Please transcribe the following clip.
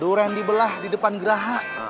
dorendi belah di depan gerahak